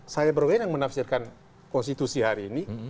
saya berwenang yang menafsirkan konstitusi hari ini